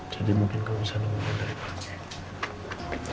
jadi mungkin kalau misalnya mau berangkat